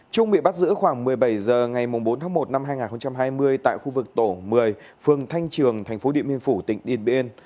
trung bị bắt giữ khoảng một mươi bảy h ngày bốn tháng một năm hai nghìn hai mươi tại khu vực tổ một mươi phường thanh trường thành phố điện biên phủ tỉnh điện biên